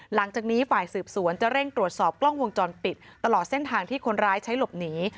หลังจากนี้ฝ่ายสืบสวนจะเร่งตรวจสอบกล้องวงจรปิดตลอดเส้นทางที่คนร้ายใช้หลบหนี